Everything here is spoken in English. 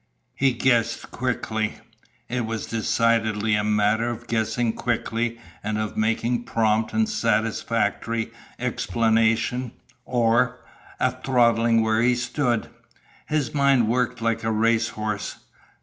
He guessed quickly. It was decidedly a matter of guessing quickly and of making prompt and satisfactory explanation or, a throttling where he stood. His mind worked like a race horse.